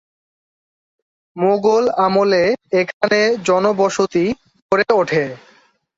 মোগল আমলে এখানে জনবসতি গড়ে ওঠে।